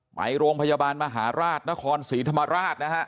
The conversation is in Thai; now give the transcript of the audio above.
ไปโรงพยาบาลมหาราชนครศรีธรรมราชนะฮะ